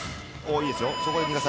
いいですよ。